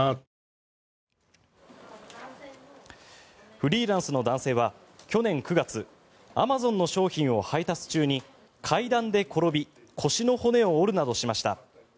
フリーランスの男性は去年９月アマゾンの商品を配達中に階段で転び腰の骨を折るなどしました。